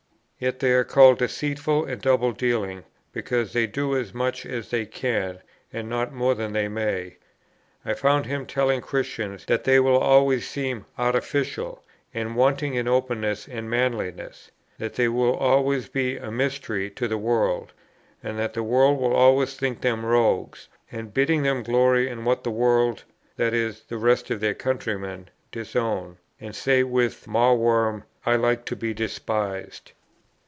Yet they are called deceitful and double dealing, because they do as much as they can, and not more than they may.' I found him telling Christians that they will always seem 'artificial,' and 'wanting in openness and manliness;' that they will always be 'a mystery' to the world, and that the world will always think them rogues; and bidding them glory in what the world (i.e. the rest of their countrymen) disown, and say with Mawworm, 'I like to be despised.'